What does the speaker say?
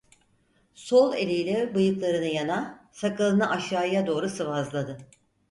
Sol eliyle bıyıklarını yana, sakalını aşağıya doğru sıvazladı: